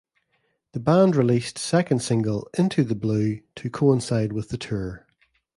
The band released second single "Into the Blue" to coincide with the tour.